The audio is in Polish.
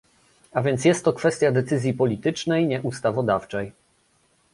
A więc jest to kwestia decyzji politycznej, nie ustawodawczej